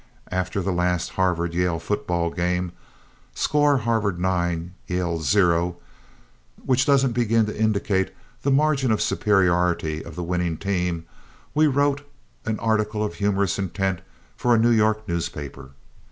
After the last Harvard Yale football game score Harvard 9, Yale 0, which doesn't begin to indicate the margin of superiority of the winning team we wrote an article of humorous intent for a New York newspaper.